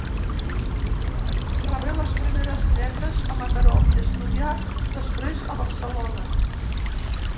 Rebé les primeres lletres a Mataró, i estudià després a Barcelona.